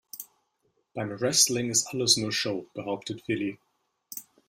Beim Wrestling ist alles nur Show, behauptet Willi.